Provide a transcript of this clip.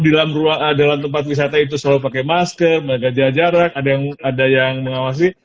di dalam ruang dalam tempat wisata itu selalu pakai masker menggajar jarak ada yang ada yang mengawasi